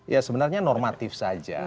ya sebenarnya normatif saja